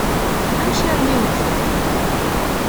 Amek armi i wen-tṛuḥ?